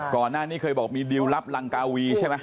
ก่อนหน้านี้เคยบอกมีดิวรับรังกาวีใช่ไหม